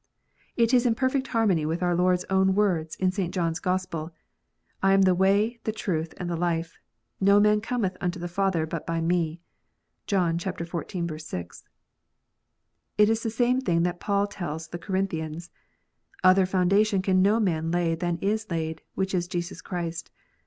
It is in perfect harmony with our Lord s own words in St. John s Gospel, "I am the way, the truth, and the life : no man cometh unto the Father, but by "Me." (John xiv. 6.) It is the same thing that Paul tells the Corin thians, " Other foundation can no man lay than that is laid, which is Jesus Christ."